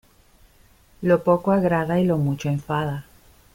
Lo poco agrada y lo mucho enfada.